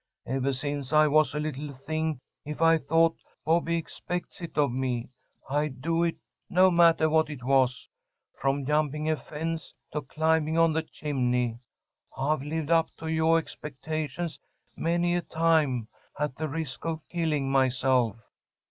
Ever since I was a little thing, if I thought 'Bobby expects it of me,' I'd do it, no mattah what it was, from jumping a fence to climbing on the chimney. I've lived up to yoah expectations many a time at the risk of killing myself."